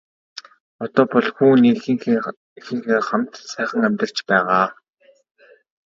Одоо бол хүү нь эхийнхээ хамт сайхан амьдарч байгаа.